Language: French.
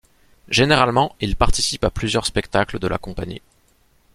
Généralement ils participent à plusieurs spectacles de la compagnie.